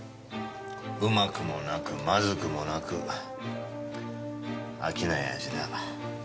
うまくもなくまずくもなく飽きない味だ。